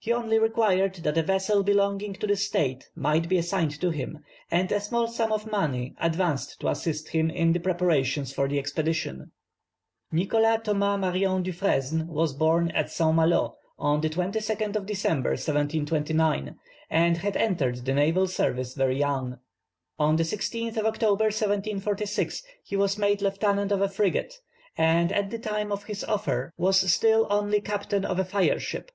He only required that a vessel belonging to the state might be assigned to him, and a small sum of money advanced to assist him in the preparations for the expedition. Nicholas Thomas Marion Dufresne was born at St. Malo on the 22nd of December, 1729, and had entered the naval service very young. On the 16th of October, 1746, he was made lieutenant of a frigate, and at the time of his offer was still only captain of a fire ship.